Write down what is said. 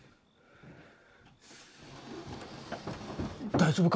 大丈夫か？